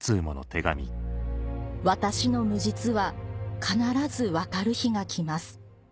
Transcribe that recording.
「私の無実は必ず分かる日がきます」